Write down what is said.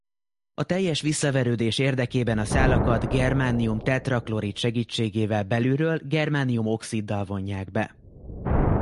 A teljes visszaverődés érdekében a szálakat germánium-tetraklorid segítségével belülről germánium-oxiddal vonják be.